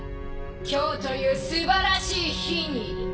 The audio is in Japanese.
今日という素晴らしい日に。